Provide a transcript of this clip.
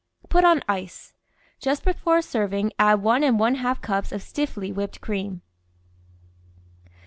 Put on ice. Just before serving add one and one half cups of stiffly whipped cream.